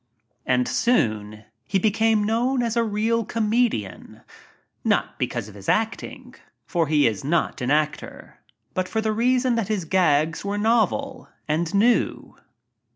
And soon he became known as a real comedian — aot because of his acting, for he is not an actor — but for the reason that his "gags" were novel and new.